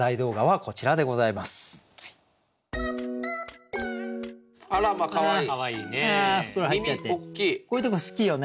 こういうとこ好きよね